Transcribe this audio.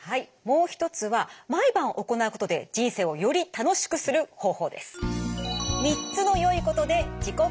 もう一つは毎晩行うことで人生をより楽しくする方法です。